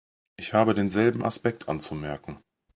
Ich habe den selben Aspekt anzumerken.